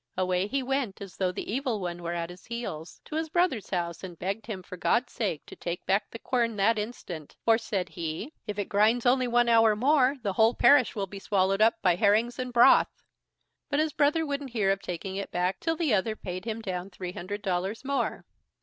Away he went, as though the Evil One were at his heels, to his brother's house, and begged him for God's sake to take back the quern that instant; for, said he: "If it grinds only one hour more, the whole parish will be swallowed up by herrings and broth." But his brother wouldn't hear of taking it back till the other paid him down three hundred dollars more.